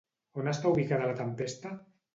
On està ubicada la tempesta?